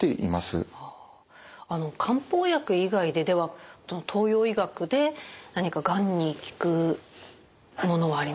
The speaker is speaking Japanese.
漢方薬以外ででは東洋医学で何かがんに効くものはありますか？